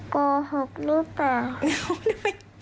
โกหกหรือเปล่า